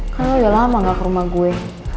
kan lo udah lama gak ke rumah gue